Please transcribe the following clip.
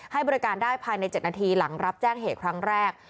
ให้บริการได้ภายใน๗นาทีหลังรับแจ้งเหตุครั้งแรก